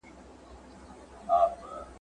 ته هم وایه ژوند دي څرنګه تیریږي `